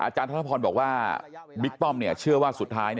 อาจารย์ทศพรบอกว่าบิกป้อมเชื่อว่าสุดท้าย